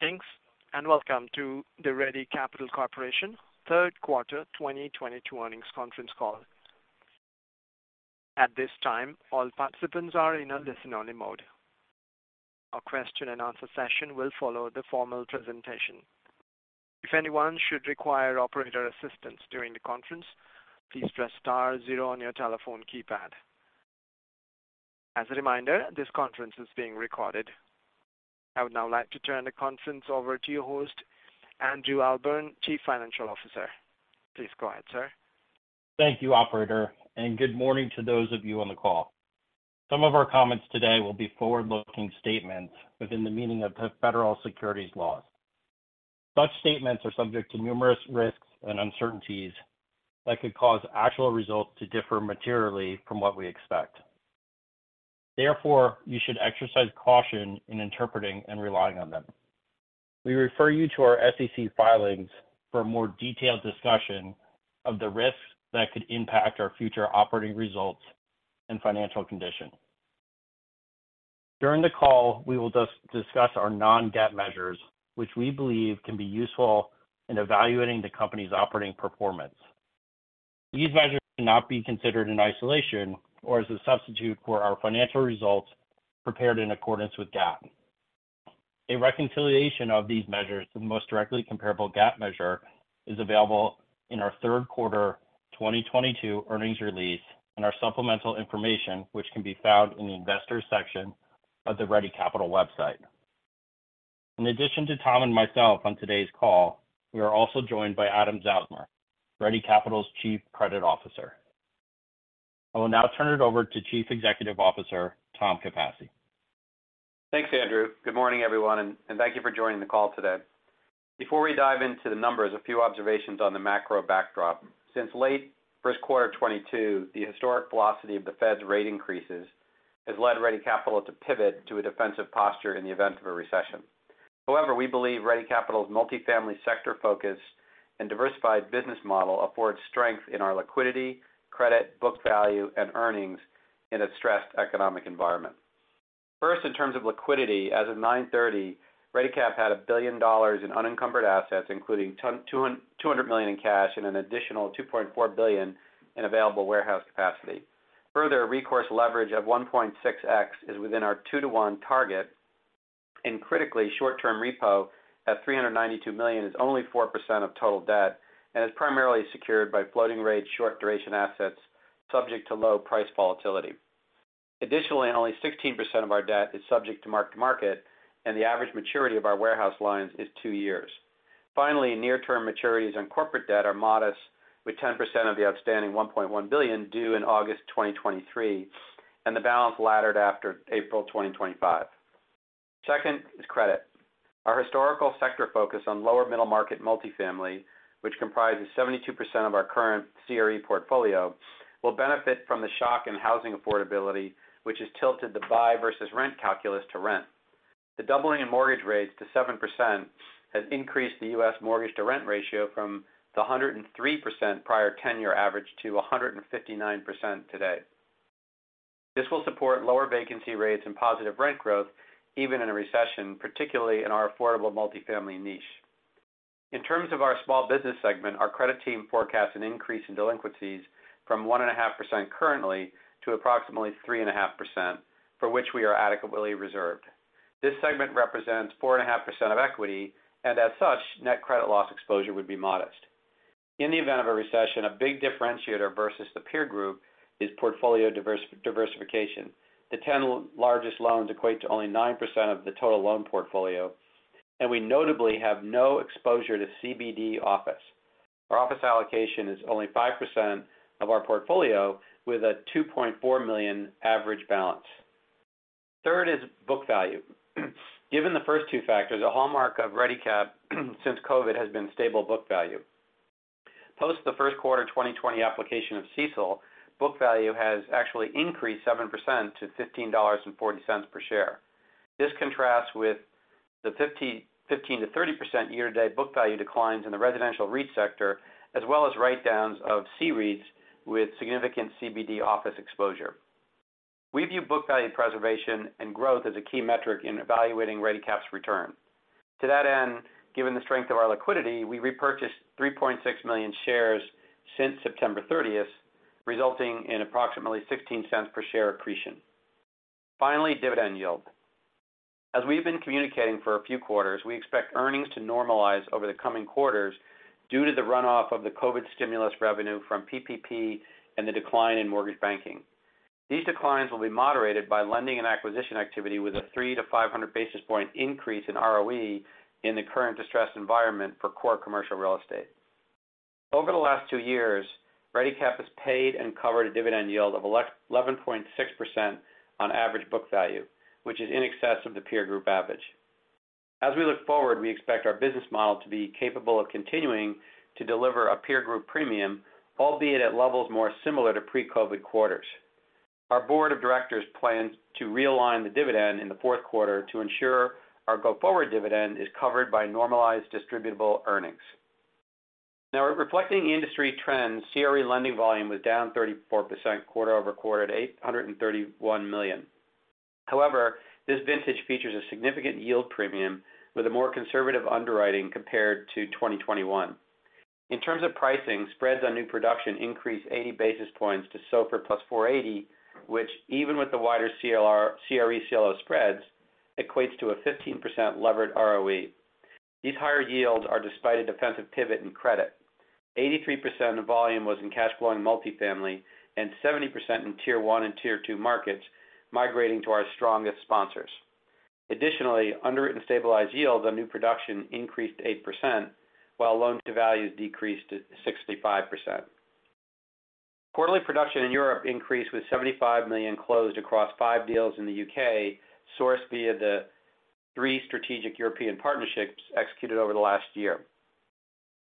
Greetings, and welcome to the Ready Capital Corporation Third Quarter 2022 Earnings Conference Call. At this time, all participants are in a listen-only mode. A question and answer session will follow the formal presentation. If anyone should require operator assistance during the conference, please press star zero on your telephone keypad. As a reminder, this conference is being recorded. I would now like to turn the conference over to your host, Andrew Ahlborn, Chief Financial Officer. Please go ahead, sir. Thank you, operator, and good morning to those of you on the call. Some of our comments today will be forward-looking statements within the meaning of the Federal Securities laws. Such statements are subject to numerous risks and uncertainties that could cause actual results to differ materially from what we expect. Therefore, you should exercise caution in interpreting and relying on them. We refer you to our SEC filings for a more detailed discussion of the risks that could impact our future operating results and financial condition. During the call, we will discuss our non-GAAP measures, which we believe can be useful in evaluating the company's operating performance. These measures should not be considered in isolation or as a substitute for our financial results prepared in accordance with GAAP. A reconciliation of these measures to the most directly comparable GAAP measure is available in our third quarter 2022 earnings release and our supplemental information, which can be found in the Investors section of the Ready Capital website. In addition to Tom and myself on today's call, we are also joined by Adam Zausmer, Ready Capital's Chief Credit Officer. I will now turn it over to Chief Executive Officer, Tom Capasse. Thanks, Andrew. Good morning, everyone, and thank you for joining the call today. Before we dive into the numbers, a few observations on the macro backdrop. Since late first quarter 2022, the historic velocity of the Fed's rate increases has led Ready Capital to pivot to a defensive posture in the event of a recession. However, we believe Ready Capital's multifamily sector focus and diversified business model affords strength in our liquidity, credit, book value, and earnings in a stressed economic environment. First, in terms of liquidity, as of 9:30 A.M., Ready Cap had $1 billion in unencumbered assets, including $200 million in cash and an additional $2.4 billion in available warehouse capacity. Further, recourse leverage of 1.6x is within our two to one target, and critically, short-term repo at $392 million is only 4% of total debt and is primarily secured by floating-rate, short-duration assets subject to low price volatility. Additionally, only 16% of our debt is subject to mark-to-market, and the average maturity of our warehouse lines is two years. Finally, near-term maturities on corporate debt are modest, with 10% of the outstanding $1.1 billion due in August 2023, and the balance laddered after April 2025. Second is credit. Our historical sector focus on lower middle market multifamily, which comprises 72% of our current CRE portfolio, will benefit from the shock in housing affordability, which has tilted the buy versus rent calculus to rent. The doubling in mortgage rates to 7% has increased the U.S. mortgage-to-rent ratio from the 103% prior ten-year average to 159% today. This will support lower vacancy rates and positive rent growth even in a recession, particularly in our affordable multifamily niche. In terms of our small business segment, our credit team forecasts an increase in delinquencies from 1.5% currently to approximately 3.5%, for which we are adequately reserved. This segment represents 4.5% of equity, and as such, net credit loss exposure would be modest. In the event of a recession, a big differentiator versus the peer group is portfolio diversification. The 10 largest loans equate to only 9% of the total loan portfolio, and we notably have no exposure to CBD office. Our office allocation is only 5% of our portfolio with a $2.4 million average balance. Third is book value. Given the first two factors, a hallmark of Ready Cap since COVID has been stable book value. Post the first quarter 2020 application of CECL, book value has actually increased 7% to $15.40 per share. This contrasts with the 15%-30% year-to-date book value declines in the residential REIT sector, as well as write-downs of CRE REITs with significant CBD office exposure. We view book value preservation and growth as a key metric in evaluating Ready Cap's return. To that end, given the strength of our liquidity, we repurchased 3.6 million shares since September 30th, resulting in approximately $0.16 per share accretion. Finally, dividend yield. As we have been communicating for a few quarters, we expect earnings to normalize over the coming quarters due to the runoff of the COVID stimulus revenue from PPP and the decline in mortgage banking. These declines will be moderated by lending and acquisition activity with a 300-500 basis point increase in ROE in the current distressed environment for core commercial real estate. Over the last two years, Ready Cap has paid and covered a dividend yield of 11.6% on average book value, which is in excess of the peer group average. As we look forward, we expect our business model to be capable of continuing to deliver a peer group premium, albeit at levels more similar to pre-COVID quarters. Our board of directors plans to realign the dividend in the fourth quarter to ensure our go-forward dividend is covered by normalized distributable earnings. Now reflecting industry trends, CRE lending volume was down 34% quarter-over-quarter at $831 million. However, this vintage features a significant yield premium with a more conservative underwriting compared to 2021. In terms of pricing, spreads on new production increased 80 basis points to SOFR+ 480, which even with the wider CRE CLO spreads, equates to a 15% levered ROE. These higher yields are despite a defensive pivot in credit. 83% of volume was in cash flowing multi-family, and 70% in tier one and tier two markets migrating to our strongest sponsors. Additionally, underwritten stabilized yields on new production increased 8%, while loan to values decreased to 65%. Quarterly production in Europe increased with $75 million closed across five deals in the U.K., sourced via the three strategic European partnerships executed over the last year.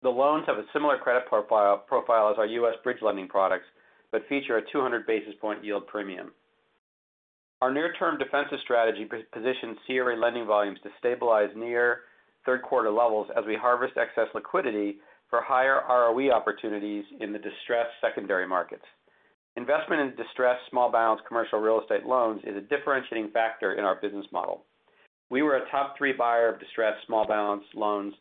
The loans have a similar credit profile as our U.S. bridge lending products, but feature a 200 basis point yield premium. Our near-term defensive strategy positions CRE lending volumes to stabilize near third quarter levels as we harvest excess liquidity for higher ROE opportunities in the distressed secondary markets. Investment in distressed small balance commercial real estate loans is a differentiating factor in our business model. We were a top three buyer of distressed small balance loans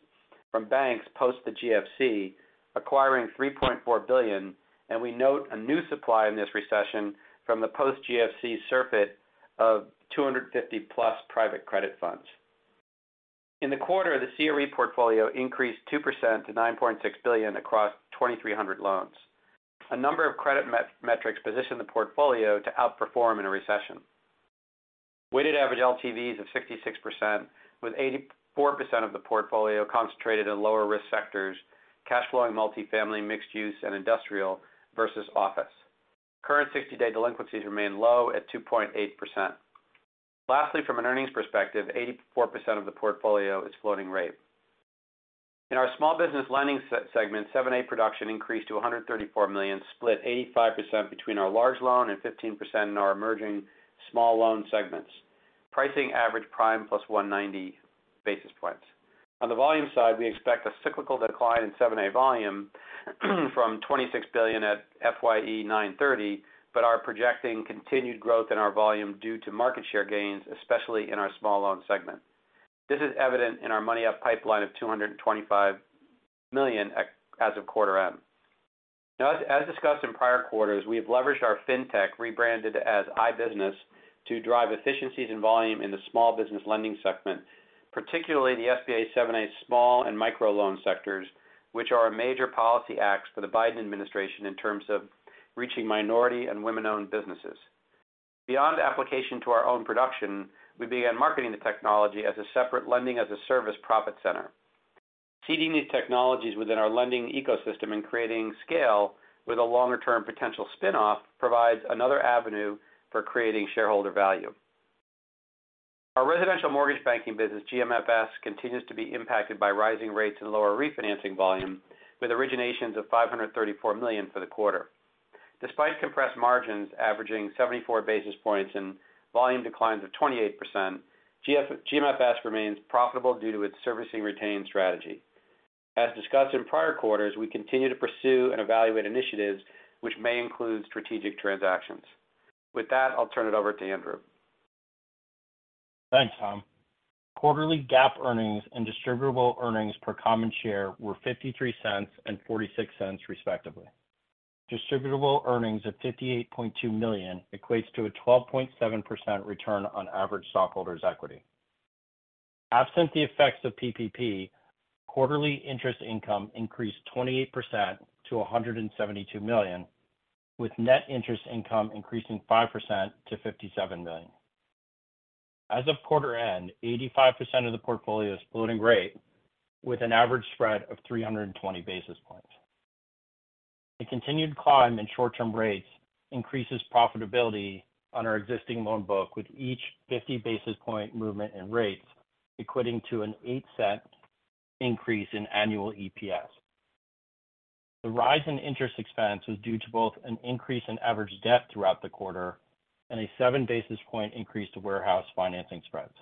from banks post the GFC, acquiring $3.4 billion, and we note a new supply in this recession from the post-GFC surfeit of 250+ private credit funds. In the quarter, the CRE portfolio increased 2% to $9.6 billion across 2,300 loans. A number of credit metrics position the portfolio to outperform in a recession. Weighted average LTVs of 66% with 84% of the portfolio concentrated in lower risk sectors, cash flowing multifamily, mixed use and industrial versus office. Current 60-day delinquencies remain low at 2.8%. Lastly, from an earnings perspective, 84% of the portfolio is floating rate. In our small business lending segment, 7(a) production increased to $134 million, split 85% between our large loan and 15% in our emerging small loan segments. Pricing average prime plus 190 basis points. On the volume side, we expect a cyclical decline in seven-A volume from $26 billion at FYE nine thirty, but are projecting continued growth in our volume due to market share gains, especially in our small loan segment. This is evident in our MoneyUp pipeline of $225 million as of quarter end. Now as discussed in prior quarters, we have leveraged our fintech rebranded as iBusiness to drive efficiencies and volume in the small business lending segment, particularly the SBA 7(a) small and micro loan sectors, which are a major policy ask for the Biden administration in terms of reaching minority and women-owned businesses. Beyond application to our own production, we began marketing the technology as a separate lending as a service profit center. Seeding these technologies within our lending ecosystem and creating scale with a longer term potential spin-off provides another avenue for creating shareholder value. Our residential mortgage banking business, GMFS, continues to be impacted by rising rates and lower refinancing volume, with originations of $534 million for the quarter. Despite compressed margins averaging 74 basis points and volume declines of 28%, GMFS remains profitable due to its servicing retained strategy. As discussed in prior quarters, we continue to pursue and evaluate initiatives which may include strategic transactions. With that, I'll turn it over to Andrew. Thanks, Tom. Quarterly GAAP earnings and distributable earnings per common share were $0.53 and $0.46 respectively. Distributable earnings of $58.2 million equates to a 12.7% return on average stockholders' equity. Absent the effects of PPP, quarterly interest income increased 28% to $172 million, with net interest income increasing 5% to $57 million. As of quarter end, 85% of the portfolio is floating rate, with an average spread of 320 basis points. The continued climb in short-term rates increases profitability on our existing loan book with each 50 basis point movement in rates equating to an $0.08 increase in annual EPS. The rise in interest expense was due to both an increase in average debt throughout the quarter and a seven basis point increase to warehouse financing spreads.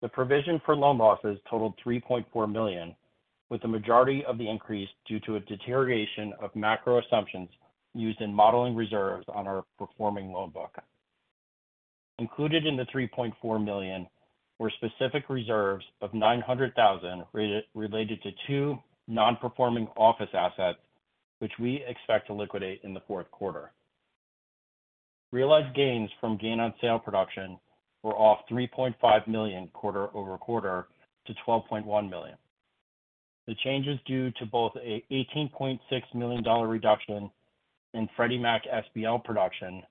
The provision for loan losses totaled $3.4 million, with the majority of the increase due to a deterioration of macro assumptions used in modeling reserves on our performing loan book. Included in the $3.4 million were specific reserves of $900,000 related to two non-performing office assets, which we expect to liquidate in the fourth quarter. Realized gains from gain on sale production were off $3.5 million quarter-over-quarter to $12.1 million. The change is due to both a $18.6 million reduction in Freddie Mac SBL production,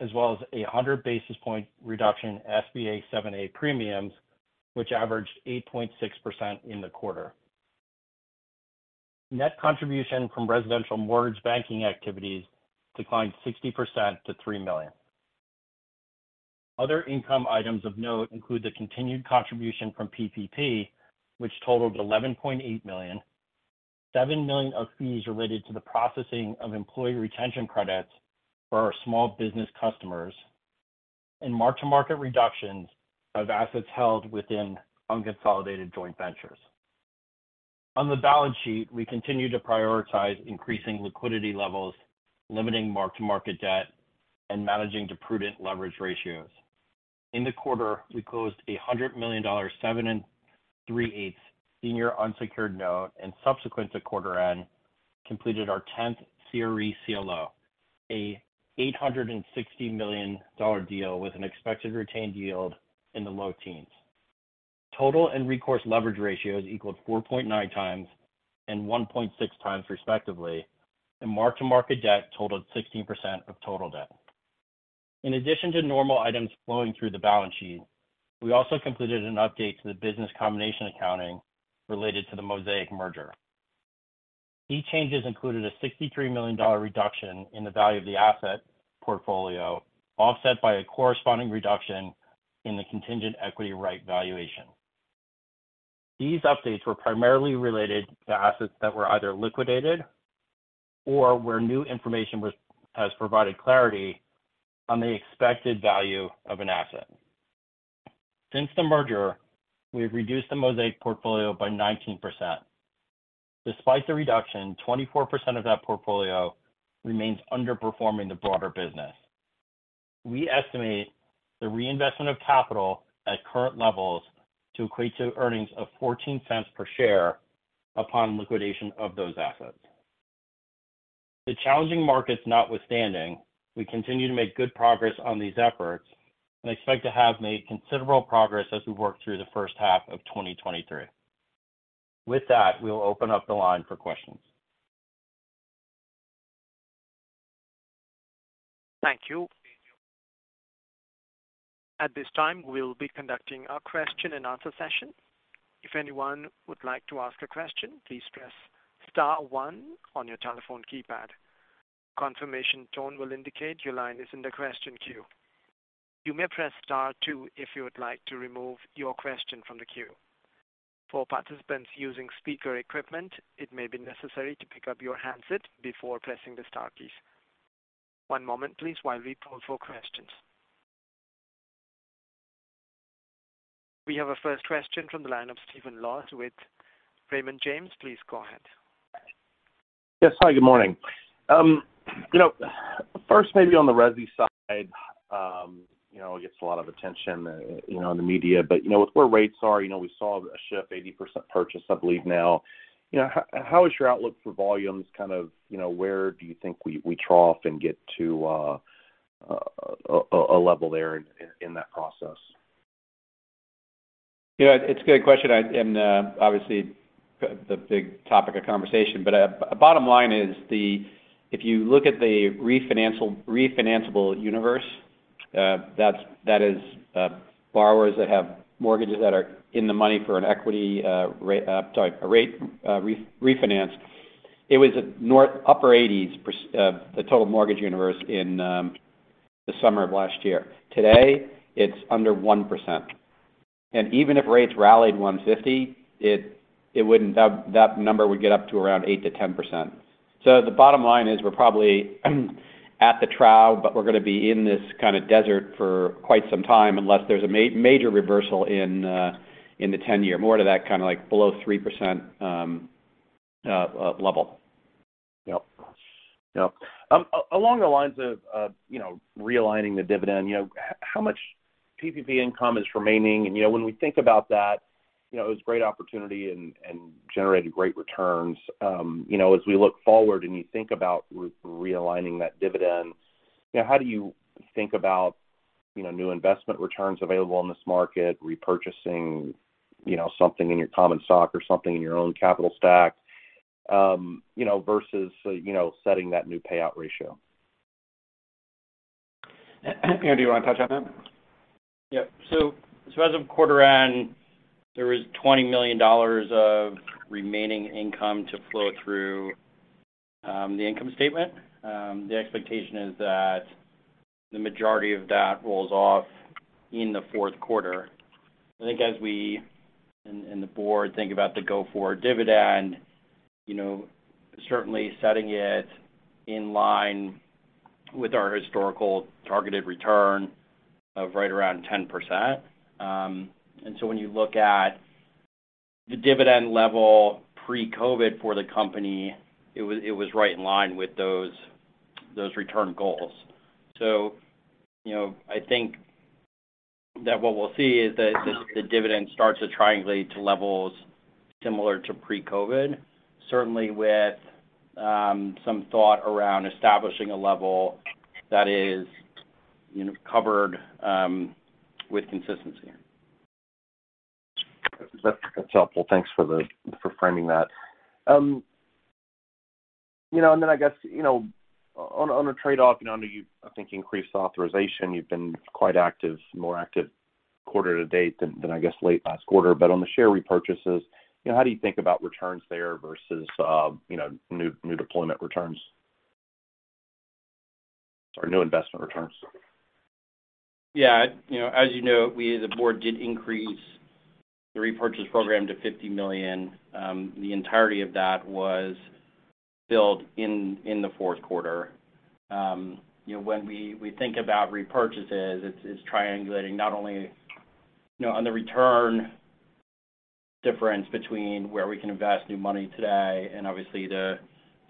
as well as a 100 basis point reduction in SBA 7(a) premiums, which averaged 8.6% in the quarter. Net contribution from residential mortgage banking activities declined 60% to $3 million. Other income items of note include the continued contribution from PPP, which totaled $11.8 million, $7 million of fees related to the processing of employee retention credits for our small business customers. In mark-to-market reductions of assets held within unconsolidated joint ventures. On the balance sheet, we continue to prioritize increasing liquidity levels, limiting mark-to-market debt, and managing to prudent leverage ratios. In the quarter, we closed a $100 million seven and 3/8 senior unsecured note, and subsequent to quarter end, completed our 10th CRE CLO, a $860 million deal with an expected retained yield in the low teens. Total and recourse leverage ratios equaled 4.9x and 1.6x respectively, and mark-to-market debt totaled 16% of total debt. In addition to normal items flowing through the balance sheet, we also completed an update to the business combination accounting related to the Mosaic merger. These changes included a $63 million reduction in the value of the asset portfolio, offset by a corresponding reduction in the contingent equity right valuation. These updates were primarily related to assets that were either liquidated or where new information has provided clarity on the expected value of an asset. Since the merger, we've reduced the Mosaic portfolio by 19%. Despite the reduction, 24% of that portfolio remains underperforming the broader business. We estimate the reinvestment of capital at current levels to equate to earnings of $0.14 per share upon liquidation of those assets. The challenging markets notwithstanding, we continue to make good progress on these efforts and expect to have made considerable progress as we work through the first half of 2023. With that, we will open up the line for questions. Thank you. At this time, we'll be conducting a question and answer session. If anyone would like to ask a question, please press star one on your telephone keypad. Confirmation tone will indicate your line is in the question queue. You may press star two if you would like to remove your question from the queue. For participants using speaker equipment, it may be necessary to pick up your handset before pressing the star keys. One moment please while we poll for questions. We have our first question from the line of Stephen Laws with Raymond James. Please go ahead. Yes. Hi, good morning. You know, first maybe on the resi side, you know, it gets a lot of attention, you know, in the media. You know, with where rates are, you know, we saw a shift, 80% purchase, I believe now. You know, how is your outlook for volumes kind of, you know, where do you think we trough and get to a level there in that process? You know, it's a good question and obviously the big topic of conversation. Bottom line is, if you look at the refinanceable universe, that's borrowers that have mortgages that are in the money for a rate refinance. It was nearly upper 80s% of the total mortgage universe in the summer of last year. Today, it's under 1%. Even if rates rallied 150, it wouldn't. That number would get up to around 8%-10%. Bottom line is we're probably at the trough, but we're gonna be in this kind of desert for quite some time unless there's a major reversal in the 10-year, move to that kind of like below 3%, level. Yep. Along the lines of, you know, realigning the dividend, you know, how much PPP income is remaining? You know, when we think about that, you know, it was a great opportunity and generated great returns. You know, as we look forward and you think about realigning that dividend, you know, how do you think about, you know, new investment returns available in this market, repurchasing, you know, something in your common stock or something in your own capital stack, you know, versus, you know, setting that new payout ratio? Andrew, you want to touch on that? Yeah. As of quarter end, there was $20 million of remaining income to flow through the income statement. The expectation is that the majority of that rolls off in the fourth quarter. I think as we and the board think about the go-forward dividend, you know, certainly setting it in line with our historical targeted return of right around 10%. When you look at the dividend level pre-COVID for the company, it was right in line with those return goals. You know, I think that what we'll see is that the dividend starts to triangulate to levels similar to pre-COVID, certainly with some thought around establishing a level that is, you know, covered with consistency. That's helpful. Thanks for framing that. You know, I guess, you know, on a trade-off, you know, I know you've, I think, increased authorization. You've been quite active, more active quarter-to-date than I guess late last quarter. On the share repurchases, you know, how do you think about returns there versus, you know, new deployment returns? Or new investment returns? Yeah. You know, as you know, we as a board did increase the repurchase program to $50 million, the entirety of that was built in in the fourth quarter. You know, when we think about repurchases, it's triangulating not only, you know, on the return difference between where we can invest new money today and obviously the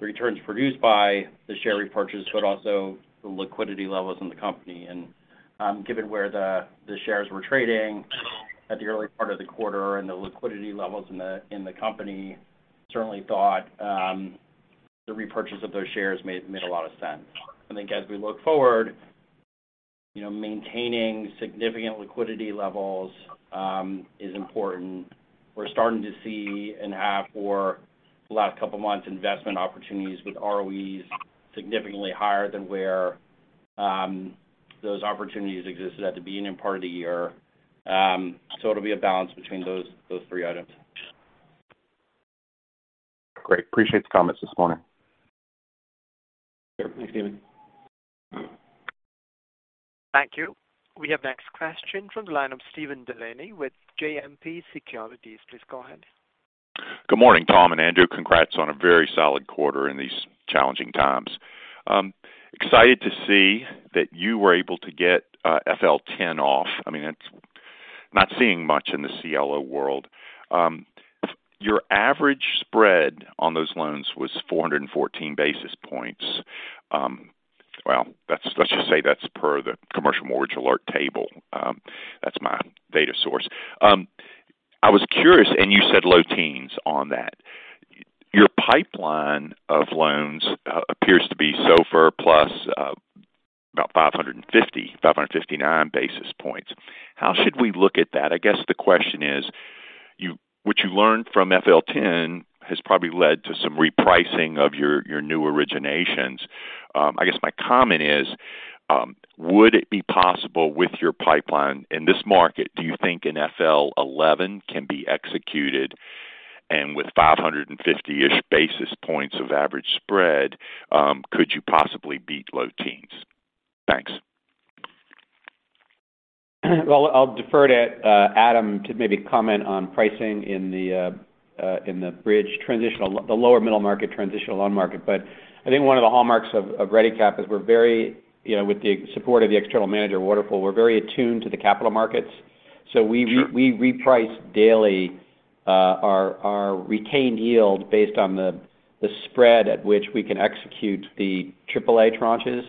returns produced by the share repurchase, but also the liquidity levels in the company. Given where the shares were trading at the early part of the quarter and the liquidity levels in the company, certainly thought the repurchase of those shares made a lot of sense. I think as we look forward, you know, maintaining significant liquidity levels is important. We're starting to see in half or the last couple of months investment opportunities with ROEs significantly higher than where those opportunities existed at the beginning part of the year. It'll be a balance between those three items. Great. Appreciate the comments this morning. Sure. Thanks, David. Thank you. We have next question from the line of Steven DeLaney with JMP Securities. Please go ahead. Good morning, Tom and Andrew. Congrats on a very solid quarter in these challenging times. Excited to see that you were able to get FL10 off. I mean, that's not seeing much in the CLO world. Your average spread on those loans was 414 basis points. Well, let's just say that's per the Commercial Mortgage Alert table. That's my data source. I was curious, and you said low teens on that. Your pipeline of loans appears to be SOFR+ about 559 basis points. How should we look at that? I guess the question is, what you learned from FL10 has probably led to some repricing of your new originations. I guess my comment is, would it be possible with your pipeline in this market, do you think an FL11 can be executed? With 550-ish basis points of average spread, could you possibly beat low teens? Thanks. Well, I'll defer to Adam to maybe comment on pricing in the lower middle market transitional loan market. I think one of the hallmarks of Ready Cap is we're very, you know, with the support of the external manager, Waterfall, we're very attuned to the capital markets. Sure. We reprice daily our retained yield based on the spread at which we can execute the AAA tranches.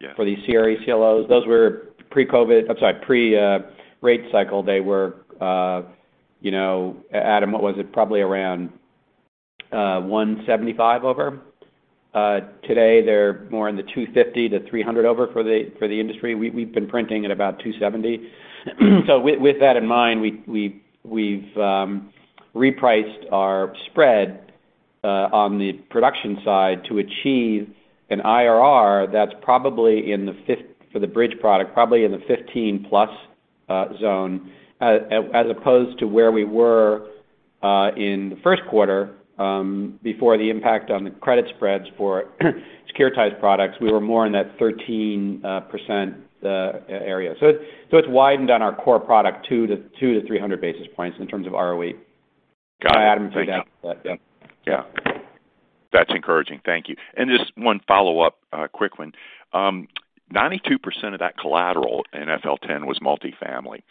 Yes. For these CRE CLOs. Those were pre-COVID, I'm sorry, pre-rate cycle. They were Adam, what was it? Probably around 175 over. Today they're more in the 250-300 over for the industry. We've been printing at about 270. So with that in mind, we've repriced our spread on the production side to achieve an IRR that's probably in the 15+ zone for the bridge product, as opposed to where we were in the first quarter before the impact on the credit spreads for securitized products. We were more in that 13% area. So it's widened on our core product 200-300 basis points in terms of ROE. Got it. Thank you. Adam can get into that. Yeah. Yeah. That's encouraging. Thank you. Just one follow-up, quick one. 92% of that collateral in FL10 was multifamily.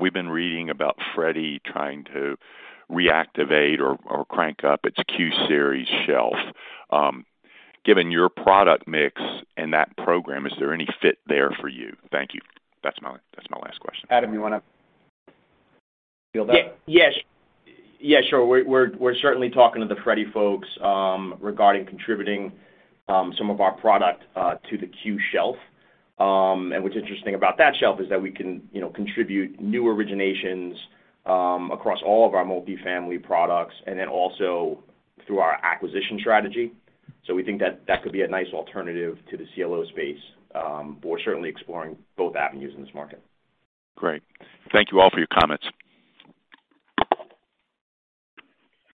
We've been reading about Freddie trying to reactivate or crank up its Q Series shelf. Given your product mix in that program, is there any fit there for you? Thank you. That's my last question. Adam, you wanna field that? Yes. Yes, sure. We're certainly talking to the Freddie folks regarding contributing some of our product to the Q shelf. What's interesting about that shelf is that we can, you know, contribute new originations across all of our multifamily products and then also through our acquisition strategy. We think that that could be a nice alternative to the CLO space. We're certainly exploring both avenues in this market. Great. Thank you all for your comments.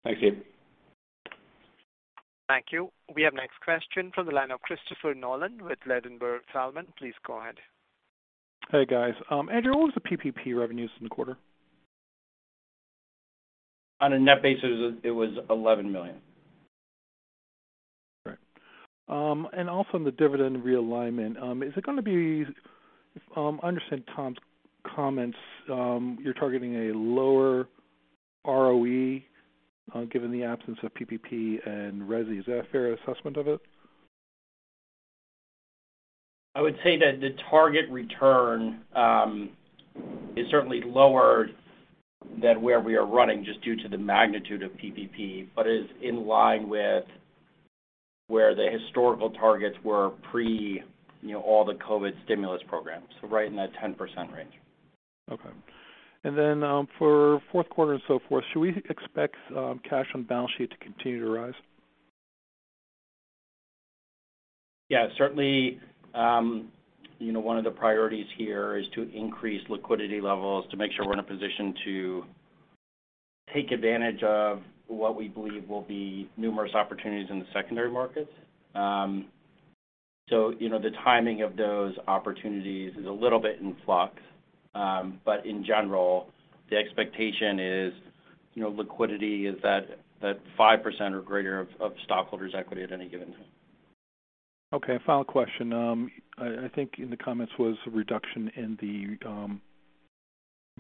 Thanks, David. Thank you. We have next question from the line of Christopher Nolan with Ladenburg Thalmann. Please go ahead. Hey, guys. Andrew, what was the PPP revenues in the quarter? On a net basis, it was $11 million. All right. On the dividend realignment, is it gonna be, I understand Tom's comments, you're targeting a lower ROE given the absence of PPP and resi. Is that a fair assessment of it? I would say that the target return is certainly lower than where we are running just due to the magnitude of PPP, but is in line with where the historical targets were pre all the COVID stimulus programs. Right in that 10% range. Okay. For fourth quarter and so forth, should we expect cash on balance sheet to continue to rise? Yeah, certainly, you know, one of the priorities here is to increase liquidity levels to make sure we're in a position to take advantage of what we believe will be numerous opportunities in the secondary markets. You know, the timing of those opportunities is a little bit in flux. In general, the expectation is, you know, liquidity is at 5% or greater of stockholders' equity at any given time. Okay. Final question. I think in the comments was a reduction in the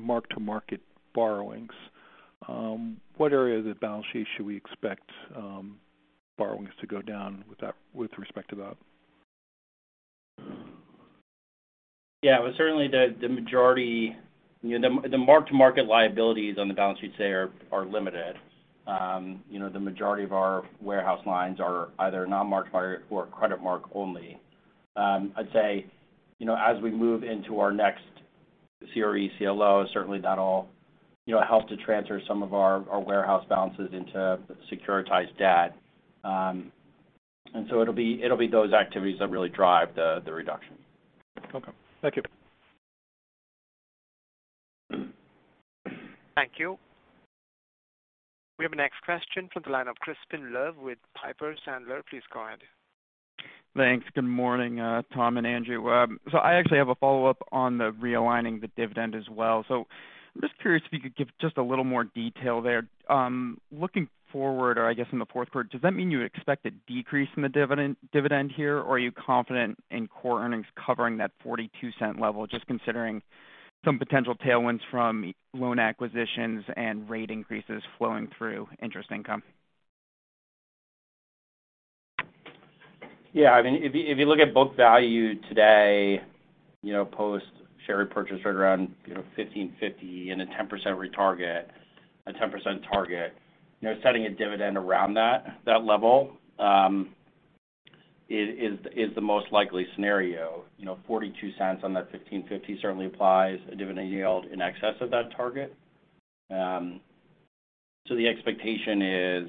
mark-to-market borrowings. What area of the balance sheet should we expect borrowings to go down with respect to that? Yeah. Well, certainly the majority, you know, the mark-to-market liabilities on the balance sheet there are limited. You know, the majority of our warehouse lines are either non-mark-to-market or credit mark only. I'd say, you know, as we move into our next CRE CLO, certainly that'll, you know, help to transfer some of our warehouse balances into securitized debt. It'll be those activities that really drive the reduction. Okay. Thank you. Thank you. We have a next question from the line of Crispin Love with Piper Sandler. Please go ahead. Thanks. Good morning, Tom and Andrew. I actually have a follow-up on the realigning the dividend as well. I'm just curious if you could give just a little more detail there. Looking forward, or I guess in the fourth quarter, does that mean you expect a decrease in the dividend here, or are you confident in core earnings covering that $0.42 level, just considering some potential tailwinds from loan acquisitions and rate increases flowing through interest income? Yeah. I mean, if you look at book value today, you know, post share repurchase right around $15.50 and a 10% target. You know, setting a dividend around that level is the most likely scenario. You know, $0.42 on that $15.50 certainly implies a dividend yield in excess of that target. So the expectation is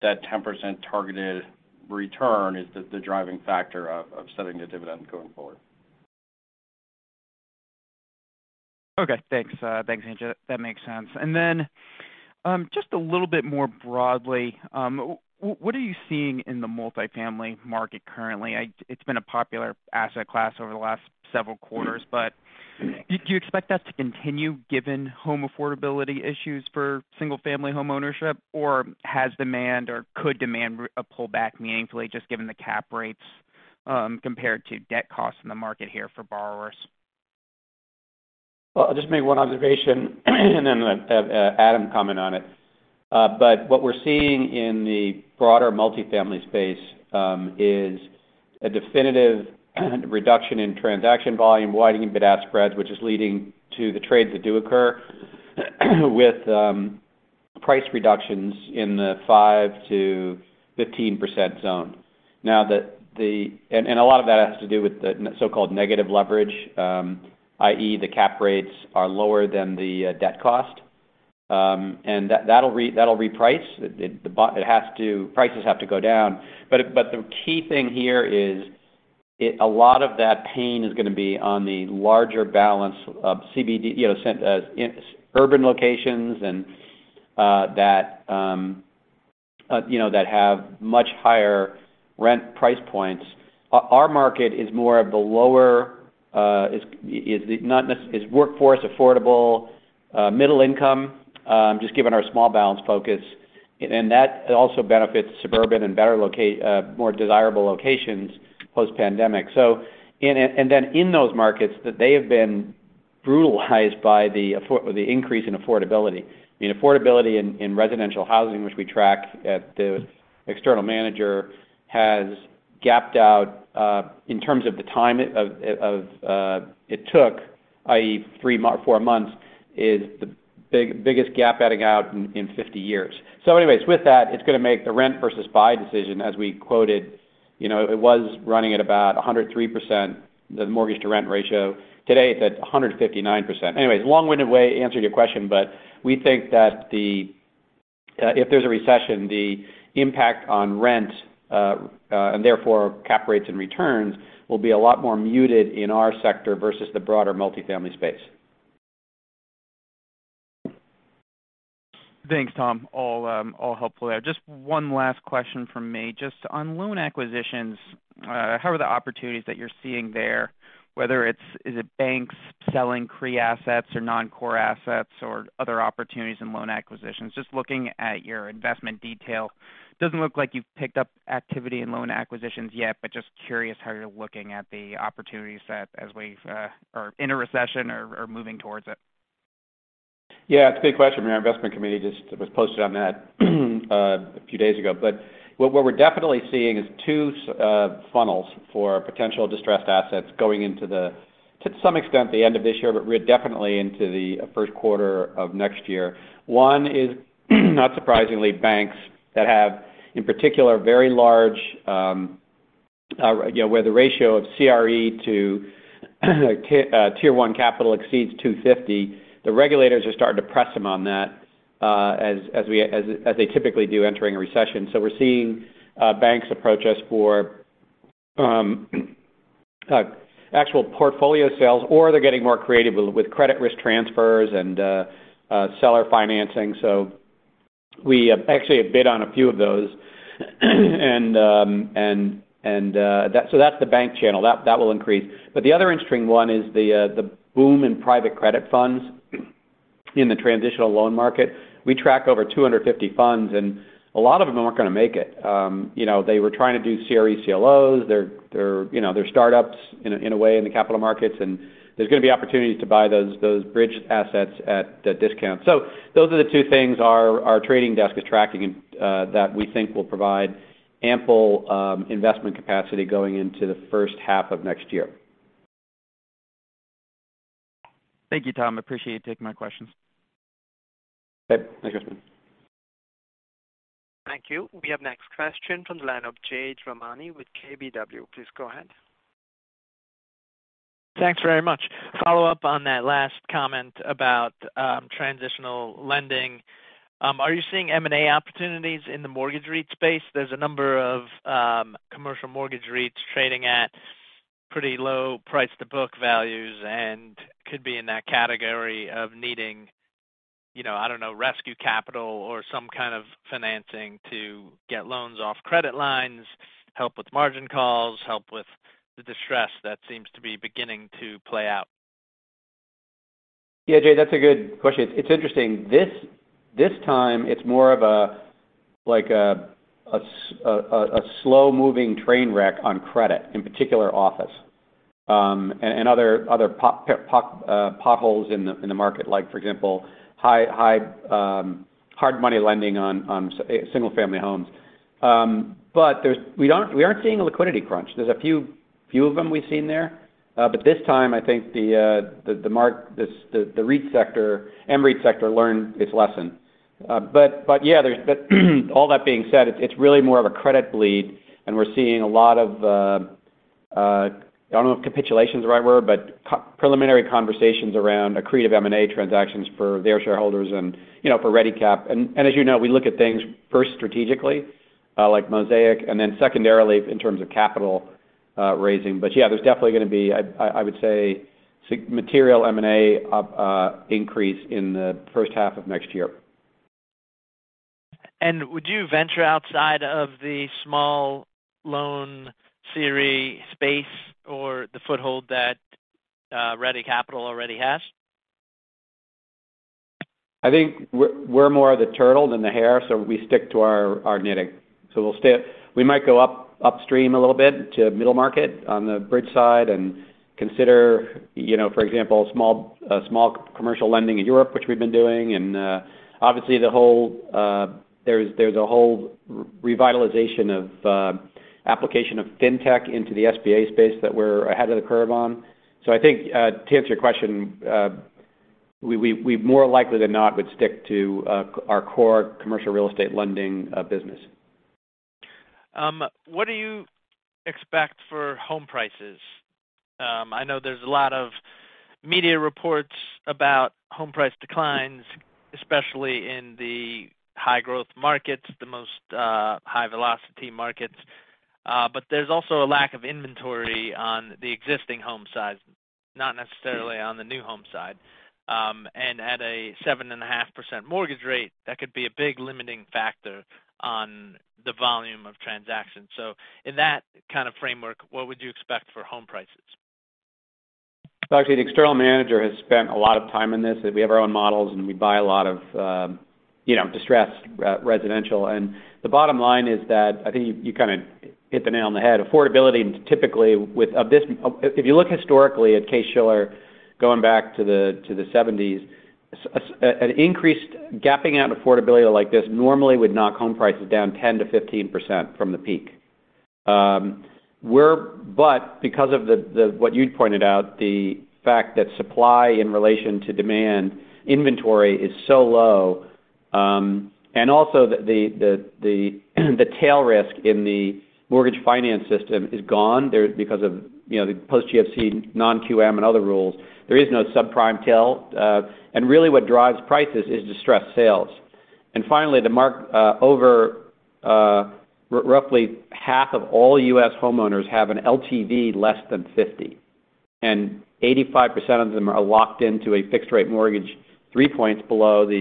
that 10% targeted return is the driving factor of setting the dividend going forward. Okay, thanks. Thanks, Andrew. That makes sense. Then, just a little bit more broadly, what are you seeing in the multifamily market currently? It's been a popular asset class over the last several quarters, but do you expect that to continue given home affordability issues for single-family homeownership? Or has demand or could demand pull back meaningfully just given the cap rates compared to debt costs in the market here for borrowers? Well, I'll just make one observation and then have Adam comment on it. But what we're seeing in the broader multifamily space is a definitive reduction in transaction volume, widening bid-ask spreads, which is leading to the trades that do occur with price reductions in the 5%-15% zone. A lot of that has to do with the so-called negative leverage, i.e., the cap rates are lower than the debt cost. And that'll reprice. Prices have to go down. The key thing here is a lot of that pain is gonna be on the larger balances of CBD, you know, such as in urban locations and that you know that have much higher rent price points. Our market is more of the lower workforce affordable middle income just given our small balance focus. That also benefits suburban and more desirable locations post-pandemic. In those markets that they have been brutalized by the increase in affordability. I mean, affordability in residential housing, which we track at the external manager, has gapped out in terms of the time it took, i.e., four months, is the biggest gap gapping out in 50 years. Anyways, with that, it's gonna make the rent versus buy decision, as we quoted. You know, it was running at about 103%, the mortgage-to-rent ratio. Today, it's at 159%. Anyways, long-winded way answering your question, but we think that the if there's a recession, the impact on rent and therefore cap rates and returns will be a lot more muted in our sector versus the broader multifamily space. Thanks, Tom. All helpful there. Just one last question from me. Just on loan acquisitions, how are the opportunities that you're seeing there, whether it's banks selling CRE assets or non-core assets or other opportunities in loan acquisitions? Just looking at your investment detail, doesn't look like you've picked up activity in loan acquisitions yet, but just curious how you're looking at the opportunities that as we've are in a recession or moving towards it. Yeah, it's a big question. Our investment committee just was posted on that a few days ago. What we're definitely seeing is two funnels for potential distressed assets going into, to some extent, the end of this year, but we're definitely into the first quarter of next year. One is, not surprisingly, banks that have, in particular, very large where the ratio of CRE to Tier 1 capital exceeds 250. The regulators are starting to press them on that, as they typically do entering a recession. We're seeing banks approach us for actual portfolio sales, or they're getting more creative with credit risk transfers and seller financing. We actually have bid on a few of those. That's the bank channel that will increase. The other interesting one is the boom in private credit funds in the transitional loan market. We track over 250 funds, and a lot of them aren't gonna make it. You know, they were trying to do CRE CLOs. They're, you know, they're startups in a way in the capital markets, and there's gonna be opportunities to buy those bridge assets at a discount. Those are the two things our trading desk is tracking that we think will provide ample investment capacity going into the first half of next year. Thank you, Tom. Appreciate you taking my questions. Okay. Thanks, Crispin. Thank you. We have next question from the line of Jade Rahmani with KBW. Please go ahead. Thanks very much. Follow up on that last comment about transitional lending. Are you seeing M&A opportunities in the mortgage REIT space? There's a number of commercial mortgage REITs trading at pretty low price-to-book values and could be in that category of needing, you know, I don't know, rescue capital or some kind of financing to get loans off credit lines, help with margin calls, help with the distress that seems to be beginning to play out. Yeah. Jade, that's a good question. It's interesting. This time it's more of a like a slow-moving train wreck on credit, in particular office, and other potholes in the market. Like for example, high hard money lending on single family homes. But we aren't seeing a liquidity crunch. There's a few of them we've seen there. But this time, I think the REIT sector learned its lesson. But yeah, there's... All that being said, it's really more of a credit bleed, and we're seeing a lot of, I don't know if capitulation is the right word, but preliminary conversations around accretive M&A transactions for their shareholders and, you know, for ReadyCap. As you know, we look at things first strategically, like Mosaic, and then secondarily in terms of capital raising. Yeah, there's definitely gonna be. I would say material M&A up increase in the first half of next year. Would you venture outside of the small loan CRE space or the foothold that Ready Capital already has? I think we're more the turtle than the hare, so we stick to our knitting. We'll stay. We might go upstream a little bit to middle market on the bridge side and consider, you know, for example, small commercial lending in Europe, which we've been doing. Obviously there's a whole revitalization of application of fintech into the SBA space that we're ahead of the curve on. I think, to answer your question, we more likely than not would stick to our core commercial real estate lending business. What do you expect for home prices? I know there's a lot of media reports about home price declines, especially in the high growth markets, the most high velocity markets. There's also a lack of inventory on the existing home side, not necessarily on the new home side. At a 7.5% mortgage rate, that could be a big limiting factor on the volume of transactions. In that kind of framework, what would you expect for home prices? Actually, the external manager has spent a lot of time in this. We have our own models, and we buy a lot of, you know, distressed residential. The bottom line is that, I think you kinda hit the nail on the head. Affordability, and typically, if you look historically at Case-Shiller, going back to the 1970s, an increased gapping out affordability like this normally would knock home prices down 10%-15% from the peak. But because of what you'd pointed out, the fact that supply in relation to demand inventory is so low, and also the tail risk in the mortgage finance system is gone there because of, you know, the post GFC, non-QM and other rules. There is no subprime tail. Really what drives prices is distressed sales. Finally, remarkably, roughly half of all U.S. homeowners have an LTV less than 50, and 85% of them are locked into a fixed rate mortgage, three points below the,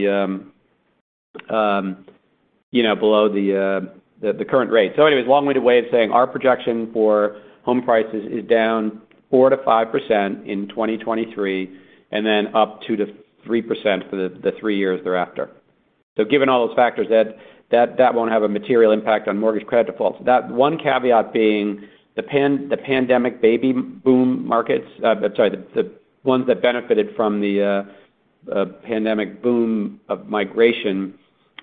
you know, below the current rate. Anyways, long-winded way of saying our projection for home prices is down 4%-5% in 2023, and then up 2%-3% for the three years thereafter. Given all those factors, that won't have a material impact on mortgage credit defaults. That one caveat being the pandemic baby boom markets. I'm sorry, the ones that benefited from the pandemic boom of migration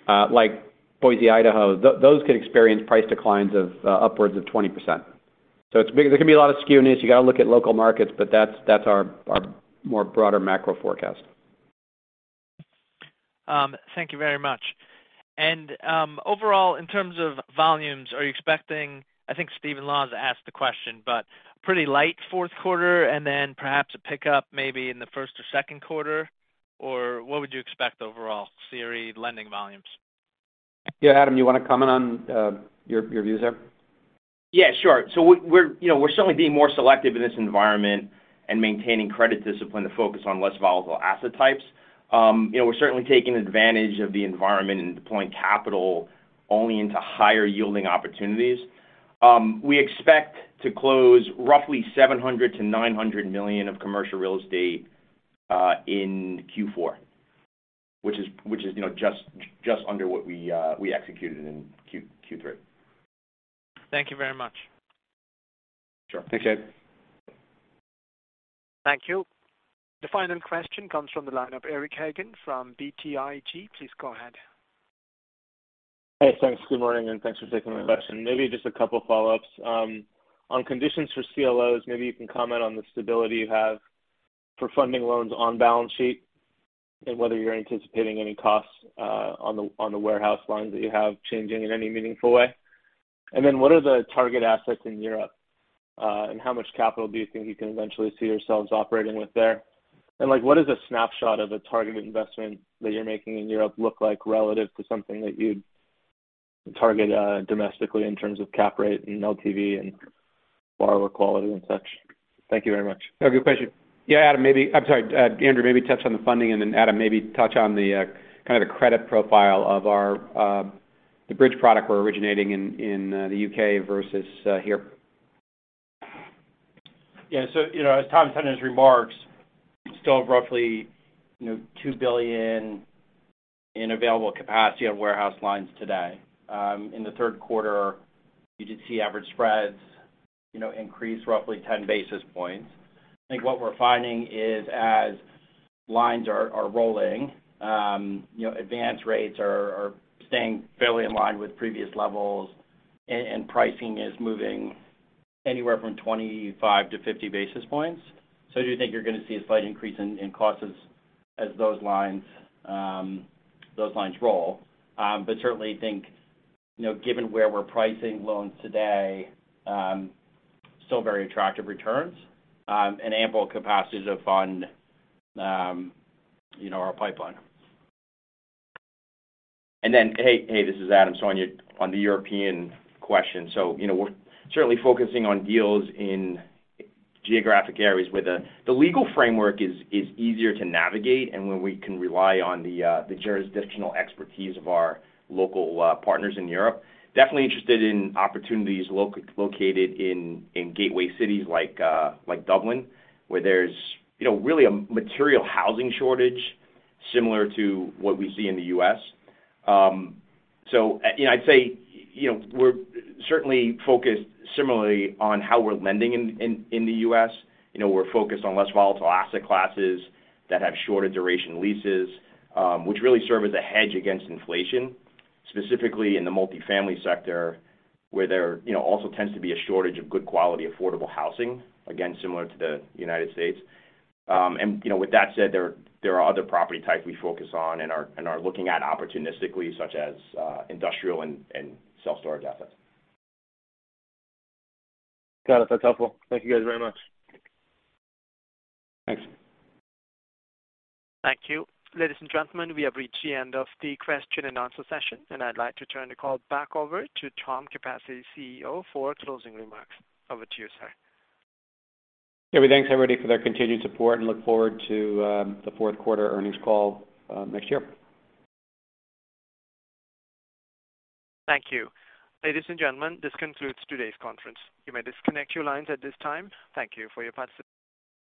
like Boise, Idaho, those could experience price declines of upwards of 20%. It's big. There can be a lot of skewness. You gotta look at local markets, but that's our more broader macro forecast. Thank you very much. Overall, in terms of volumes, are you expecting, I think Stephen Laws has asked the question, but pretty light fourth quarter and then perhaps a pickup maybe in the first or second quarter, or what would you expect overall, CRE lending volumes? Yeah. Adam, you wanna comment on your views there? Yeah, sure. We're, you know, we're certainly being more selective in this environment and maintaining credit discipline to focus on less volatile asset types. You know, we're certainly taking advantage of the environment and deploying capital only into higher yielding opportunities. We expect to close roughly $700 million-$900 million of commercial real estate in Q4, which is, you know, just under what we executed in Q3. Thank you very much. Sure. Thanks, Jade. Thank you. The final question comes from the line of Eric Hagen from BTIG. Please go ahead. Hey, thanks. Good morning, and thanks for taking my question. Maybe just a couple follow-ups. On conditions for CLOs, maybe you can comment on the stability you have for funding loans on balance sheet and whether you're anticipating any costs on the warehouse lines that you have changing in any meaningful way. What are the target assets in Europe, and how much capital do you think you can eventually see yourselves operating with there? Like, what is a snapshot of a target investment that you're making in Europe look like relative to something that you'd target domestically in terms of cap rate and LTV and borrower quality and such? Thank you very much. No, good question. Yeah, Adam, maybe. I'm sorry, Andrew, maybe touch on the funding and then Adam, maybe touch on the kind of the credit profile of our the bridge product we're originating in the U.K. versus here. Yeah. You know, as Tom said in his remarks, still roughly, you know, $2 billion in available capacity on warehouse lines today. In the third quarter, you did see average spreads, you know, increase roughly 10 basis points. I think what we're finding is as lines are rolling, you know, advance rates are staying fairly in line with previous levels and pricing is moving anywhere from 25-50 basis points. I do think you're gonna see a slight increase in costs as those lines roll. Certainly think, you know, given where we're pricing loans today, still very attractive returns, and ample capacity to fund, you know, our pipeline. Hey, this is Adam. On the European question. You know, we're certainly focusing on deals in geographic areas where the legal framework is easier to navigate and when we can rely on the jurisdictional expertise of our local partners in Europe. Definitely interested in opportunities located in gateway cities like Dublin, where there's you know really a material housing shortage similar to what we see in the U.S. You know, I'd say, you know, we're certainly focused similarly on how we're lending in the U.S. You know, we're focused on less volatile asset classes that have shorter duration leases, which really serve as a hedge against inflation, specifically in the multifamily sector, where there you know also tends to be a shortage of good quality, affordable housing, again, similar to the United States. With that said, there are other property types we focus on and are looking at opportunistically, such as industrial and self-storage assets. Got it. That's helpful. Thank you guys very much. Thanks. Thank you. Ladies and gentlemen, we have reached the end of the question and answer session, and I'd like to turn the call back over to Tom Capasse, CEO, for closing remarks. Over to you, sir. Yeah. We thank everybody for their continued support and look forward to the fourth quarter earnings call next year. Thank you. Ladies and gentlemen, this concludes today's conference. You may disconnect your lines at this time. Thank you for your participation.